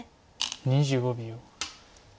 ２５秒。